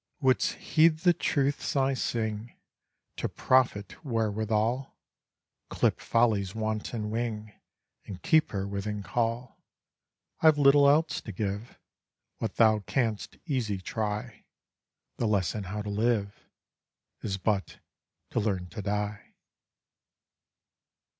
Wouldst heed the truths I sing, To profit wherewithal, Clip folly's wanton wing, And keep her within call: I've little else to give, What thou canst easy try, The lesson how to live, Is but to learn to die.